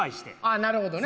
あなるほどね。